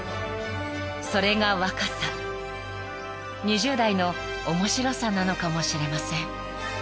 ［それが若さ２０代の面白さなのかもしれません］